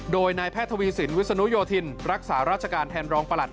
โดยนายแพทย์ทวีสินวิศนุโยธินรักษาราชการแทนรองประหลัด